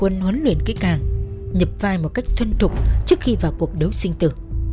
các cảm tử quân huấn luyện kỹ càng nhập vai một cách thuân thục trước khi vào cuộc đấu sinh tử